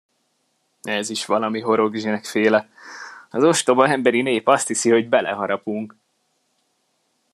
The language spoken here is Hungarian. Ez is valami horogzsinegféle, az ostoba emberi nép azt hiszi, hogy beleharapunk!